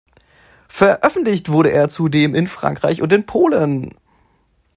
Veröffentlicht wurde er zudem in Frankreich und in Polen.